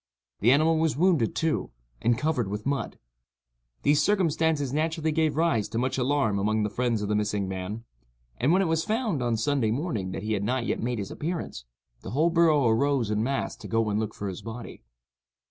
The animal was wounded, too, and covered with mud. These circumstances naturally gave rise to much alarm among the friends of the missing man; and when it was found, on Sunday morning, that he had not yet made his appearance, the whole borough arose en masse to go and look for his body.